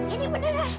ini beneran nek